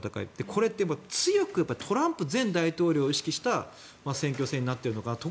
これって強くトランプ前大統領を意識した選挙戦になっているのかなと。